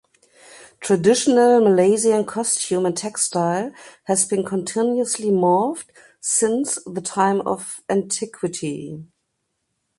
Traditional Malaysian costume and textile has been continuously morphed since the time of antiquity.